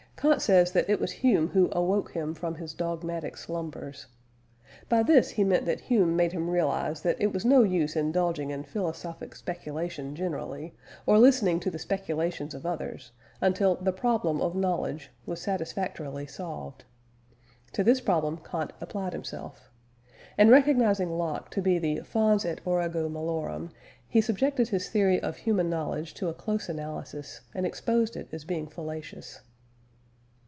Kant says that it was Hume who "awoke him from his dogmatic slumbers." By this he meant that Hume made him realise that it was no use indulging in philosophic speculation generally, or listening to the speculations of others, until "the Problem of Knowledge" was satisfactorily solved. To this problem Kant applied himself. And recognising Locke to be the fons et origo malorum, he subjected his theory of human knowledge to a close analysis, and exposed it as being fallacious.